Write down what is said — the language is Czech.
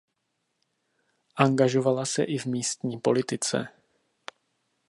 Angažovala se i v místní politice.